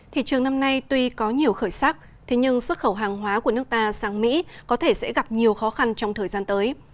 thị trường năm nay tuy có nhiều khởi sắc thế nhưng xuất khẩu hàng hóa của nước ta sang mỹ có thể sẽ gặp nhiều khó khăn trong thời gian tới